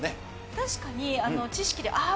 確かに知識でああ